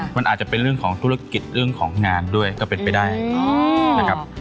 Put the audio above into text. มันอาจจะเป็นเรื่องของธุรกิจเรื่องของงานด้วยก็เป็นไปได้นะครับ